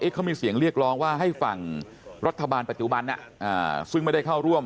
เขามีเสียงเรียกร้องว่าให้ฝั่งรัฐบาลปัจจุบันซึ่งไม่ได้เข้าร่วม